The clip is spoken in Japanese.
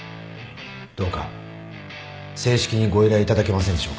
どうか正式にご依頼いただけませんでしょうか。